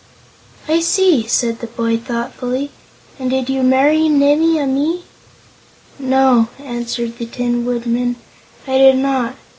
"I see," said the boy, thoughtfully. "And did you marry Nimmie Amee?" "No," answered the Tin Woodman, "I did not.